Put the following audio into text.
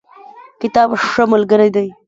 کتاب ښه ملګری دی